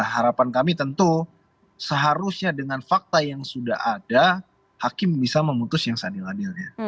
harapan kami tentu seharusnya dengan fakta yang sudah ada hakim bisa memutus yang seadil adilnya